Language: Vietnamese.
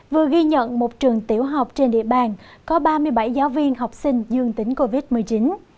vừa ghi nhận một trường tiểu học trên địa bàn có ba mươi bảy giáo viên học sinh dương tính covid một mươi chín